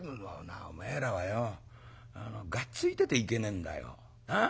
「おめえらはよがっついてていけねえんだよ。